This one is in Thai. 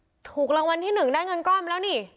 ถูกรางวัลที่หนึ่งได้เงินก้อนแล้วนี่